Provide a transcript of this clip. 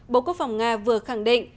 bộ quốc phòng nga vừa khẳng định